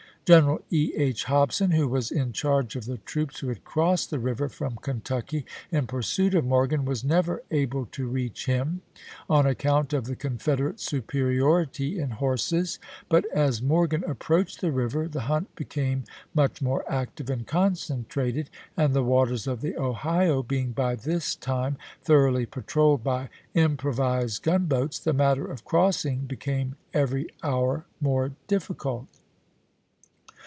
Greneral E. H. Hobson, who was in charge of the troops who had crossed the river from Kentucky in pursuit of Morgan, was never able to reach him, on account of the Confederate superiority in horses; but as Morgan approached the river the hunt became much more active and concentrated, and the waters of the Ohio being by this time thoroughly patrolled by improvised gun boats, the matter of crossing became every hour more difficult.